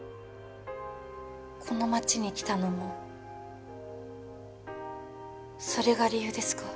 この町に来たのもそれが理由ですか？